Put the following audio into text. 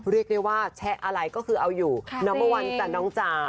เรียกได้ว่าแชะอะไรก็คือเอาอยู่นัมเบอร์วันจ้ะน้องจ๋า